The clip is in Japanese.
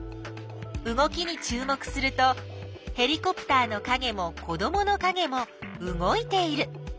動きにちゅう目するとヘリコプターのかげも子どものかげも動いている。